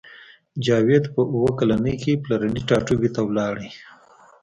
جاوید په اوه کلنۍ کې پلرني ټاټوبي ته لاړ